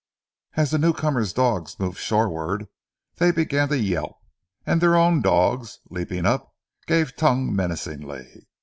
As the new comer's dogs moved shorewards they began to yelp, and their own dogs, leaping up, gave tongue menacingly.